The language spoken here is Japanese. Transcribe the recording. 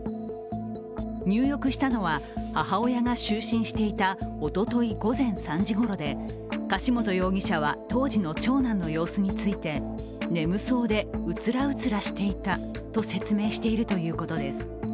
入浴したのは母親が就寝していたおととい午前３時ごろで、柏本容疑者は当時の長男の様子について眠そうで、うつらうつらしていたと説明しているということです。